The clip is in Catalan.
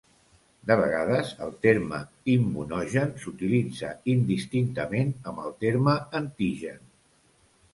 De vegades, el terme immunogen s'utilitza indistintament amb el terme antigen.